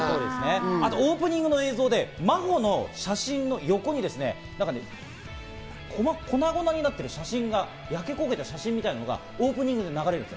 あとオープニングの映像、真帆の写真の横に粉々になってる写真が、焼け焦げた写真みたいなのがオープニングに流れるんです。